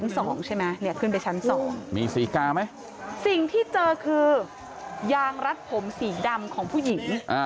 สิ่งที่เจอคือยางรัดผมสีดำของผู้หญิง